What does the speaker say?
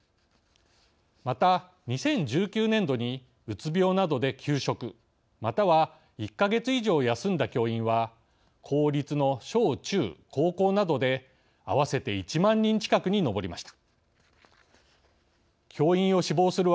また、２０１９年度にうつ病などで休職または１か月以上休んだ教員は公立の小中高校などで合わせて１万人近くに上りました。